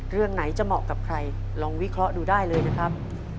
เรื่องไหนจะเหมาะกับใครลองวิเคราะห์ดูได้เลยนะครับ